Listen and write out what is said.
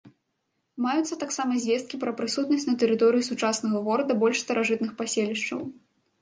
Маюцца таксама звесткі пра прысутнасць на тэрыторыі сучаснага горада больш старажытных паселішчаў.